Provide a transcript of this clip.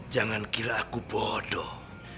jangan kira aku bodoh